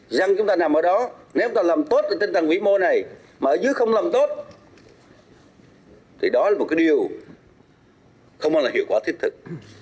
dân chúng ta nằm ở đó nếu chúng ta làm tốt trên tầng mỹ mô này mà ở dưới không làm tốt thì đó là một điều không bao giờ hiệu quả thiết thực